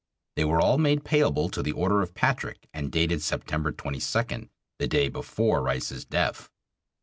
They were all made payable to the order of Patrick and dated September 22d, the day before Rice's death.